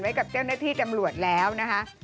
กับเจ้าหน้าที่ตำรวจแล้วนะคะ